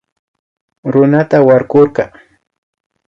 Runata warkurka